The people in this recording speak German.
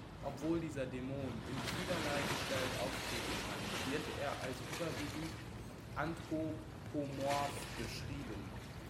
Obwohl dieser Dämon in vielerlei Gestalt auftreten kann, wird er als überwiegend anthropomorph beschrieben.